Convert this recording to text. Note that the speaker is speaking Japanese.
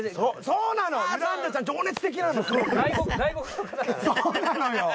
そうなのよ。